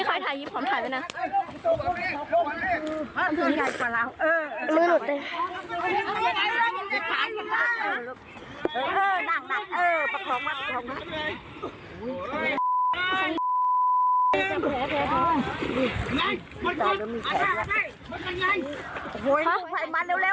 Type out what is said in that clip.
กุกปายก็ช้าไนกุกปาย